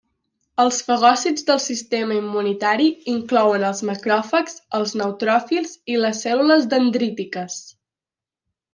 Els fagòcits del sistema immunitari inclouen els macròfags, els neutròfils i les cèl·lules dendrítiques.